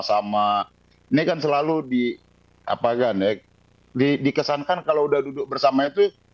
bersama sama ini kan selalu dikesankan kalau sudah duduk bersama itu